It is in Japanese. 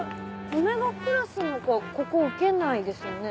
Ωクラスの子はここ受けないですよね？